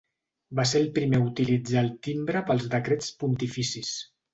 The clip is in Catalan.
Va ser el primer a utilitzar el timbre pels decrets pontificis.